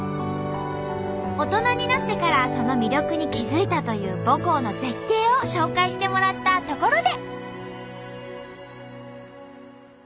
大人になってからその魅力に気付いたという母校の絶景を紹介してもらったところで。